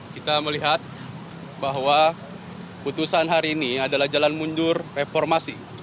kita melihat bahwa putusan hari ini adalah jalan mundur reformasi